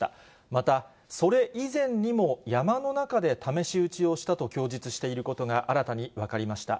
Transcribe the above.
また、それ以前にも山の中で試し撃ちしたと供述していることが新たに分かりました。